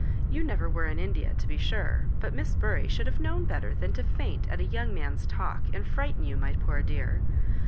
You never were in India, to be sure ; but Miss Bury should have known better than to faint at a young man's talk, and frighten you, my poor dear.